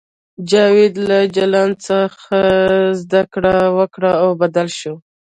جاوید له جلان څخه زده کړه وکړه او بدل شو